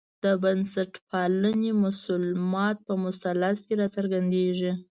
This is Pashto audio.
د بنسټپالنې مسلمات په مثلث کې راڅرګندېږي.